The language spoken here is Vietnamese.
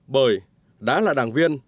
bởi đã là đảng viên